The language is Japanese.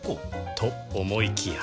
と思いきや